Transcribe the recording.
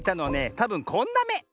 たぶんこんなめ。